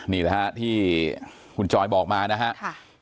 เนี่ยค่ะที่คุณจอยบอกมานะครับ